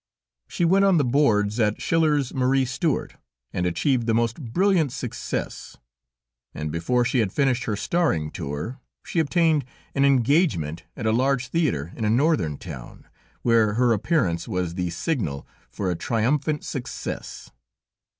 She went on the boards as Schiller's Marie Stuart, and achieved the most brilliant success, and before she had finished her starring tour, she obtained an engagement at a large theater in a Northern town, where her appearance was the signal for a triumphant success.